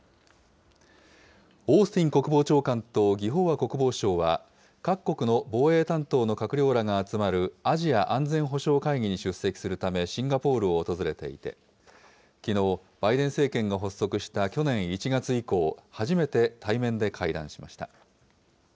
オースティン国防長官と魏鳳和国防相は、各国の防衛担当の閣僚らが集まるアジア安全保障会議に出席するため、シンガポールを訪れていて、きのう、バイデン政権が発足した去年１月以降、初めて対面で会談しました。